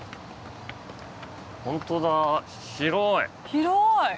広い！